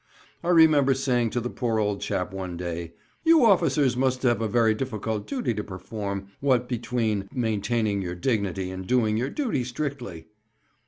I remember saying to the poor old chap one day, "You officers must have a very difficult duty to perform, what between maintaining your dignity and doing your duty strictly."